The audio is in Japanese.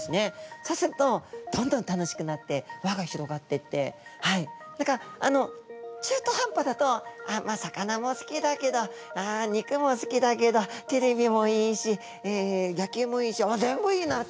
そうするとどんどん楽しくなって輪が広がってってだからあの中途半端だと「まあ魚も好きだけどあ肉も好きだけどテレビもいいしえ野球もいいしあっ